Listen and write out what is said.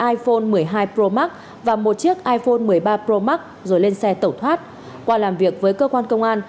iphone một mươi hai pro max và một chiếc iphone một mươi ba pro max rồi lên xe tẩu thoát qua làm việc với cơ quan công an